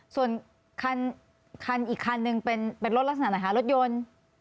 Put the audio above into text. ส่วนคันอีกคันนึงเป็นรถลักษณะไหนคะรถยนต์